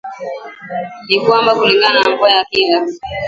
ni kwamba kulingana na mvua ya kila